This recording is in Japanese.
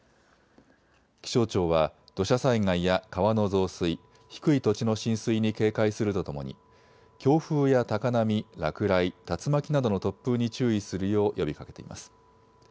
気象庁は土砂災害や川の増水、低い土地の浸水に警戒するとともに強風や高波、落雷、竜巻などの突風に注意するよう呼びかけています。